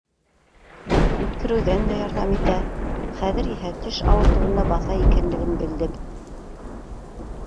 Йүткереүҙән дә ярҙам итә, хәҙер иһә теш ауыртыуын да баҫа икәнлеген белдем.